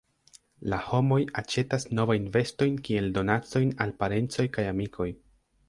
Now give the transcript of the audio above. La homoj aĉetas novajn vestojn kiel donacojn al parencoj kaj amikoj.